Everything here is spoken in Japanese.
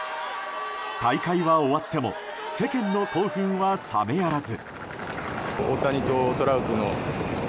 大会は終わっても世間の興奮は冷めやらず。